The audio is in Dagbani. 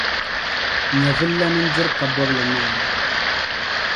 Nyɛvililana n-diri kabɔbili naara.